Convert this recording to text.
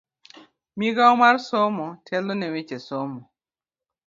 Migao mar somo telo ne weche somo.